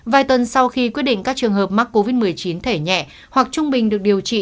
vài tuần sau khi quyết định các trường hợp mắc covid một mươi chín thẻ nhẹ hoặc trung bình được điều trị